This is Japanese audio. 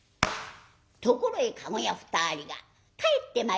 ところへ駕籠屋２人が帰ってまいりました。